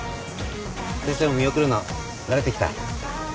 先生も見送るの慣れてきた？